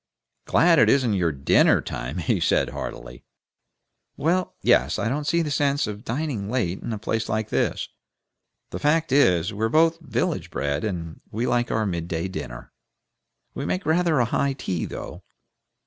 "Glad it isn't your DINNER time!" he said, heartily. "Well, yes. We don't see the sense of dining late in a place like this. The fact is, we're both village bred, and we like the mid day dinner. We make rather a high tea, though."